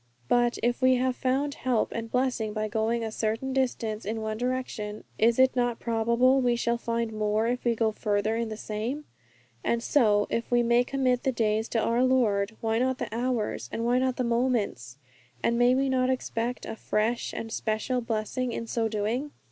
But if we have found help and blessing by going a certain distance in one direction, is it not probable we shall find more if we go farther in the same? And so, if we may commit the days to our Lord, why not the hours, and why not the moments? And may we not expect a fresh and special blessing in so doing?